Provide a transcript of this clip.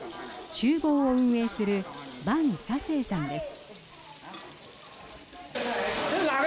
ちゅう房を運営する万佐成さんです。